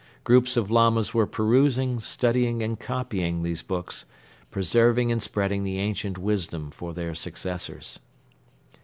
Groups of Lamas were perusing, studying and copying these books, preserving and spreading the ancient wisdom for their successors.